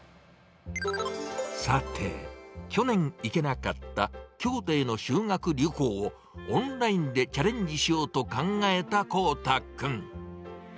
さて、去年行けなかった京都への修学旅行を、オンラインでチャレンジしようと考えた航大君。